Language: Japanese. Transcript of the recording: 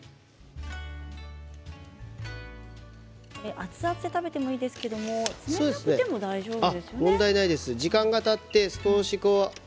熱々で食べてもいいですけど冷めてもいいですよね。